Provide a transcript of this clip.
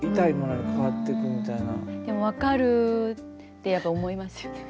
でも「分かる」ってやっぱ思いますよね。